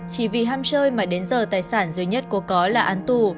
chỉ vì ham chơi mà đến giờ tài sản duy nhất có là án tù